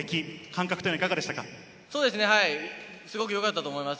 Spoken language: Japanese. すごくよかったと思います。